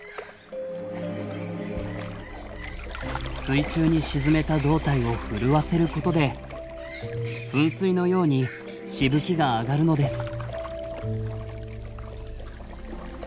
水中に沈めた胴体を震わせることで噴水のようにしぶきが上がるのです。